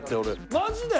マジで！？